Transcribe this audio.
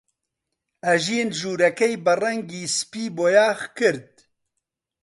ئەژین ژوورەکەی بە ڕەنگی سپی بۆیاغ کرد.